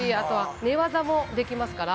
寝技もできますから。